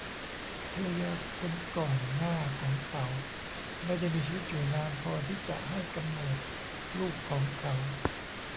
ภรรยาคนก่อนหน้าของเขาไม่ได้มีชีวิตอยู่นานพอที่จะให้กำเนิดลูกของเขา